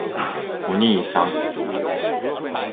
おにいさん！！！